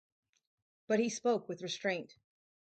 But he spoke with restraint.